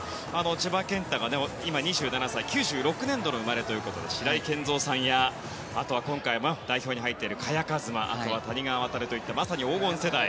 千葉健太が今、２７歳と９６年度の生まれということで白井健三さんやあとは今回代表に入っている萱和磨、あとは谷川航といったまさに黄金世代。